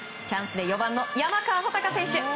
チャンスで４番の山川穂高選手。